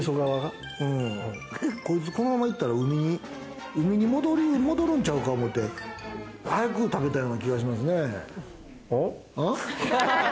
こいつこのままいったら、海に戻るんちゃうか思って、早く食べたような気がしますね。